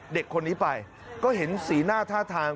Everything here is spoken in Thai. เด็กคนนี้ไปก็เห็นสีหน้าท่าทาง